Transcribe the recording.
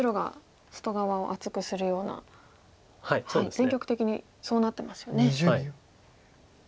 全局的にそうなってますよね。